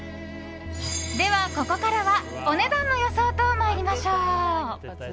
ではここからはお値段の予想と参りましょう！